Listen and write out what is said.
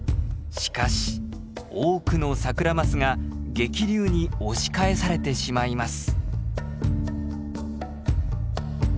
しかし多くのサクラマスが激流に押し返されてしまいます。